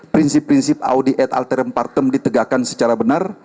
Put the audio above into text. prinsip prinsip audi et alter impartem ditegakkan secara benar